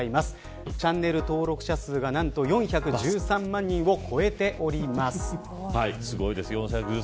チャンネル登録者数が何と４１３万人を超えております。